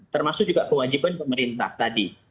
termasuk juga kewajiban pemerintah tadi